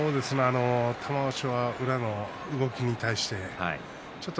玉鷲は宇良の動きに対してちょっと